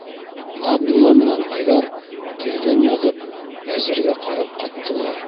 Ғабдулла менән Айҙар, телдән яҙып, Вәзиргә ҡарап ҡаттылар.